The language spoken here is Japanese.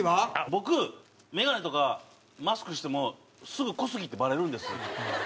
僕眼鏡とかマスクしてもすぐ小杉ってバレるんです。